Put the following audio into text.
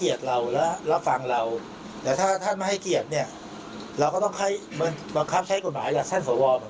อย่างท่านสวเหมือนกัน